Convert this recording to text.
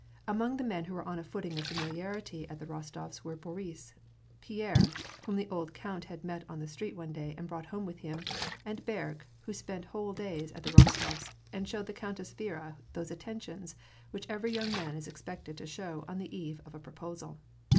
Among the men who were on a footing of familiarity at the Rostofs were Boris; Pierre, whom the old count had met on the street one day and brought home with him ; and Berg, who spent whole days at the Rostofs, and showed the Countess Viera those attentions which every young man is expected to show on the eve of a proposal.